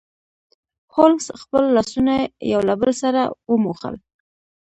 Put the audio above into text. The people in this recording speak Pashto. هولمز خپل لاسونه یو له بل سره وموښل.